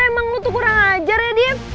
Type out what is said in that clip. emang lo tuh kurang ajar ya dief